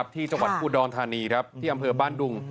ที่จังหวัดอุดรธานีครับที่อำเภอบ้านดุง